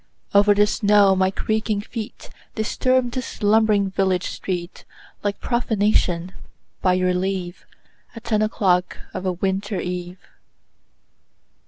Over the snow my creaking feet Disturbed the slumbering village street Like profanation, by your leave, At ten o'clock of a winter eve.